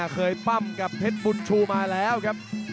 ปั้มกับเพชรบุญชูมาแล้วครับ